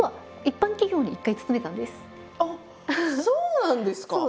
実はあっそうなんですか！